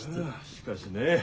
しかしね